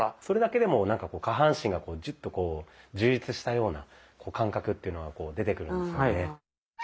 それだけでもなんか下半身がジュッとこう充実したような感覚っていうのは出てくるんですよね。